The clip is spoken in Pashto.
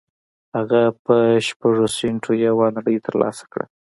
هغه په شپږو سينټو یوه نړۍ تر لاسه کړه